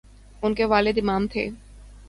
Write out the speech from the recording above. ان کے والد امام تھے۔